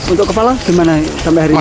untuk kepala gimana sampai hari ini